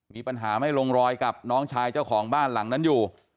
มีปัญหาไม่ลงรอยกับน้องชายเจ้าของบ้านหลังนั้นอยู่